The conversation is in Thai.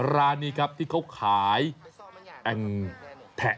ร้านนี้ครับที่เขาขายแอ่งแทะ